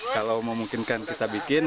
kalau memungkinkan kita bikin